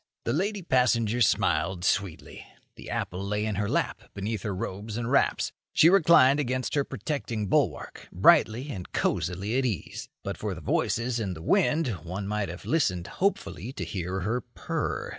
The lady passenger smiled sweetly. The apple lay in her lap beneath her robes and wraps. She reclined against her protecting bulwark, brightly and cosily at ease. But for the voices and the wind one might have listened hopefully to hear her purr.